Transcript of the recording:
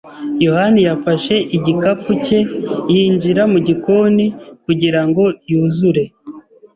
yohani yafashe igikapu cye yinjira mu gikoni kugira ngo yuzure.